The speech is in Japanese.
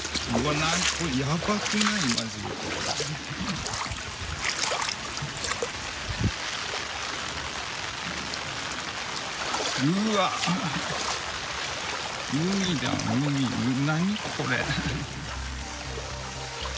何これ。